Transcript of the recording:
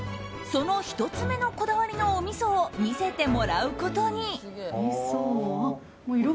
その１つ目のこだわりのおみそを見せてもらうことに。